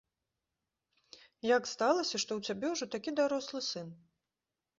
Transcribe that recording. Як сталася, што ў цябе ўжо такі дарослы сын?